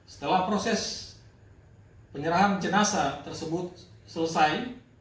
setelah proses penyerahan jenazah tersebut selesai